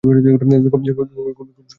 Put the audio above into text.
খুব সুন্দর ঘ্রাণ আসে।